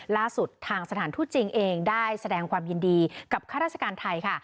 ล่าสุดทางสถานทูตจีนเองได้แสดงความยินดีกับข้าราชการไทยค่ะ